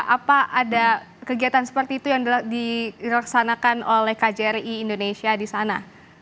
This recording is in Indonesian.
apa ada kegiatan seperti itu yang dilaksanakan oleh kjri indonesia di sana